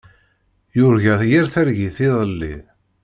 Yurga yir targit iḍelli.